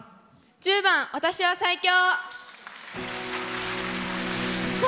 １０番「私は最強」。